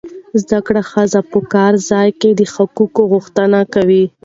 زده کړه ښځه په کار ځای کې د حقوقو غوښتنه کوي.